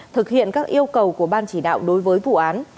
thực hiện các yêu cầu của ban chỉ đạo đối với vụ án